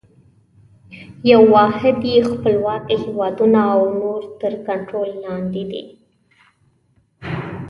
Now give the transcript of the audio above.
یوه واحده یې خپلواکه هیوادونه او نور تر کنټرول لاندي دي.